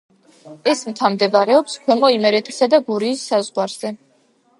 ეს მთა მდებარეობს ქვემო იმერეთისა და გურიის საზღვარზე.